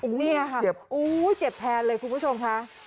โอ้โหเจ็บแพนเลยคุณผู้ชมค่ะ